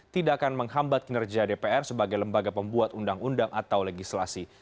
tidak akan menghambat kinerja dpr sebagai lembaga pembuat undang undang atau legislasi